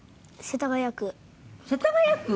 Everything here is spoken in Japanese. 世田谷区？